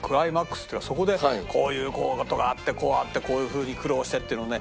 そこでこういう事があってこうあってこういうふうに苦労してっていうのをね